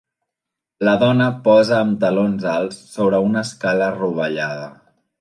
La dona posa amb talons alts sobre una escala rovellada